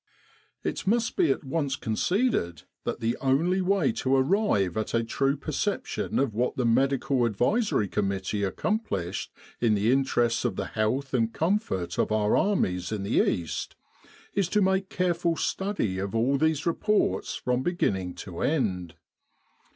It must be at once conceded that the only way to arrive at a true perception of what the Medical Advisory Committee accomplished in the interests of the health and comfort of our armies in the East, is to make careful study of all these reports from be ginning to end.